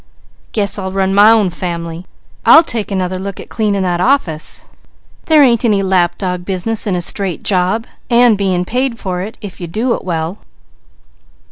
_ Guess I'll run my own family! I'll take another look at cleaning that office. There ain't any lap dog business in a job, and being paid for it, if you do it well."